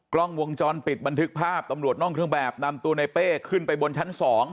กล้องวงจรปิดบันทึกภาพตำรวจนอกเครื่องแบบนำตัวในเป้ขึ้นไปบนชั้น๒